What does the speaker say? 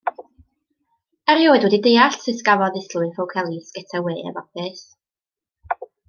Erioed wedi deall sut gafodd Islwyn Ffowc Elis get-awê efo'r peth.